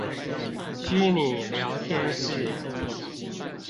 虛擬聊天室